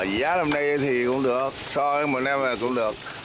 giá năm nay thì cũng được so với một năm này cũng được